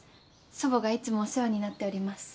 祖母がいつもお世話になっております。